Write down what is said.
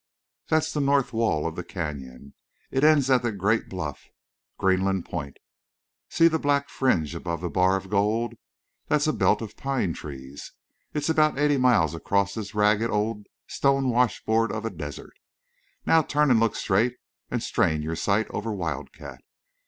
That's the north wall of the Canyon. It ends at the great bluff—Greenland Point. See the black fringe above the bar of gold. That's a belt of pine trees. It's about eighty miles across this ragged old stone washboard of a desert. ... Now turn and look straight and strain your sight over Wildcat.